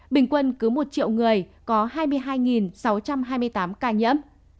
bình quân cứ một triệu người có hai mươi hai sáu trăm hai mươi tám ca nhiễm